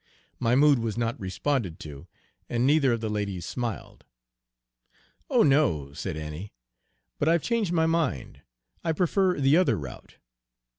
My mood was not responded to, and neither of the ladies smiled. "Oh, no," said Annie, "but I've Page 226 changed my mind. I prefer the other route."